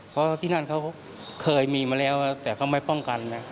เพราะที่นั่นเขาเคยมีมาแล้วแต่เขาไม่ป้องกันนะ